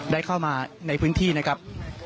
ได้เข้ามาในพื้นที่นะครับ